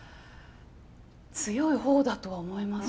強い方だとは思います。